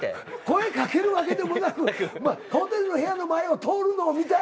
声掛けるわけでもなくホテルの部屋の前を通るのを見たい。